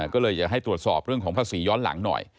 ก็เลยอยากให้ตรวจสอบเรื่องของภาษีย้อนหลังหน่อย